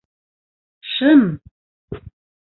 Шым!